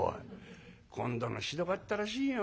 今度のひどかったらしいよ。